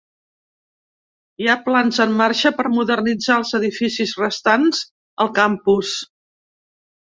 Hi ha plans en marxa per modernitzar els edificis restants al campus.